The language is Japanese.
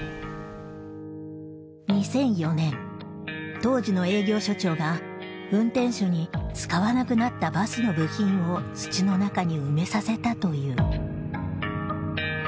２００４年当時の営業所長が運転手に使わなくなったバスの部品を土の中に埋めさせたという。